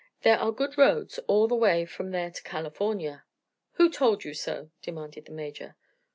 There are good roads all the way from there to California." "Who told you so?" demanded the Major.